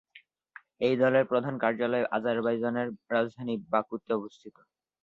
এই দলের প্রধান কার্যালয় আজারবাইজানের রাজধানী বাকুতে অবস্থিত।